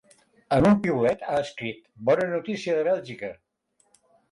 En un piulet ha escrit: Bona notícia de Bèlgica!